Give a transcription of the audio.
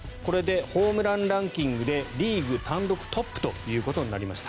これでホームランランキングでリーグ単独トップということになりました。